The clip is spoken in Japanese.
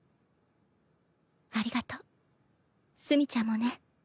ありがとう炭ちゃんもね。